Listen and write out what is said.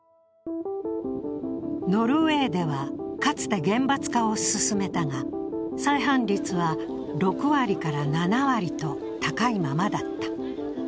ノルウェーではかつて厳罰化を進めたが再犯率は６割から７割と高いままだった。